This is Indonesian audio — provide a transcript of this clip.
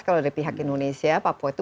kalau dari pihak indonesia papua itu